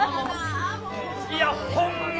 いやホンマ